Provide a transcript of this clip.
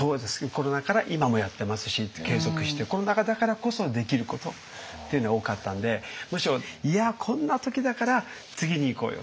コロナ禍から今もやってますし継続してコロナ禍だからこそできることっていうのが多かったんでむしろ「いやこんな時だから次にいこうよ」とか。